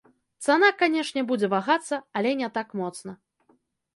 Цана, канешне, будзе вагацца, але не так моцна.